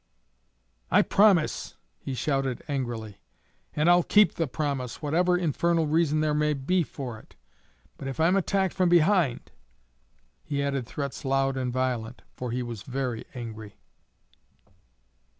"I promise," he shouted angrily, "and I'll keep the promise, whatever infernal reason there may be for it; but if I'm attacked from behind " He added threats loud and violent, for he was very angry.